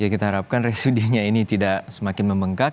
kita harapkan resudinya ini tidak semakin membengkak